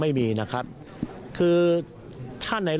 คุณสิริกัญญาบอกว่า๖๔เสียง